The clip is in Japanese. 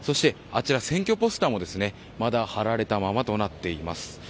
選挙ポスターもまだ貼られたままとなっています。